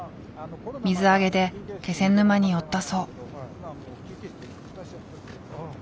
水揚げで気仙沼に寄ったそう。